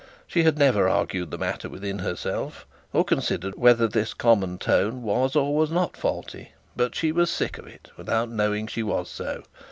She had never argued the matter within herself, or considered whether this common tone was or was not faulty; but she was sick of it without knowing that she was so.